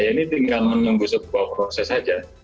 ini tinggal menunggu sebuah proses saja